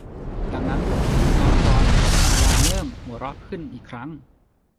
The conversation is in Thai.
ดังนั้น ลูกพี่ลูกน้องจอร์น อดาเริ่มหัวเราะขึ้นอีกครั้ง